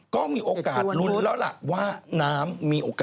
ก็มีโอกาสลุ้นแล้วล่ะว่าน้ำมีโอกาส